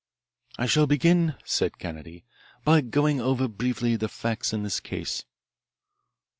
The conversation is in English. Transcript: "I shall begin," said Kennedy, "by going over, briefly, the facts in this case."